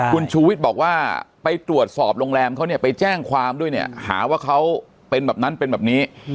คุณชูวิทย์บอกว่าไปตรวจสอบโรงแรมเขาเนี่ยไปแจ้งความด้วยเนี่ยหาว่าเขาเป็นแบบนั้นเป็นแบบนี้